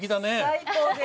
最高ですね。